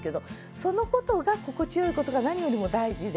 そのことが心地よいことが何よりも大事で。